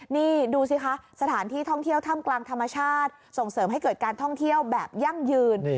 นี่ดูสิคะสถานที่ท่องเที่ยวถ้ำกลางธรรมชาติส่งเสริมให้เกิดการท่องเที่ยวแบบยั่งยืน